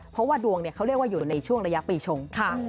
เพราะว่าดวงเขาเรียกว่าอยู่ในช่วงระยะปีชง